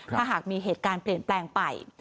ถ้าหากมีเหตุการณ์เปลี่ยนแปลงไป